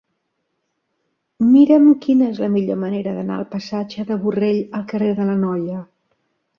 Mira'm quina és la millor manera d'anar del passatge de Borrell al carrer de l'Anoia.